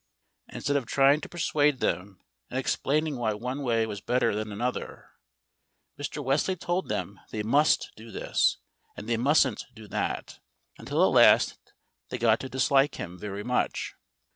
Instead of trying to persuade them and explaining why one way was better than another, Mr. Wesley told them they must do this, and they mustn't do that, until at last they got to dislike him very much.